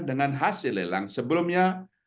dengan hasil lelang sebelumnya